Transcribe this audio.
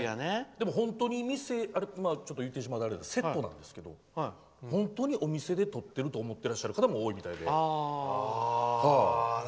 でも、本当に店って言ってしまうとセットなんですけど本当にお店で撮ってると思ってらっしゃる方も多いみたいで。